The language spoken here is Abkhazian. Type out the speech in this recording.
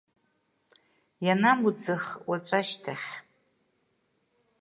Ианамуӡах, уаҵәашьҭахь…